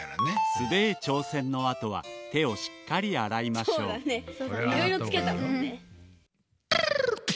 スデー挑戦のあとは手をしっかり洗いましょういろいろつけたからね。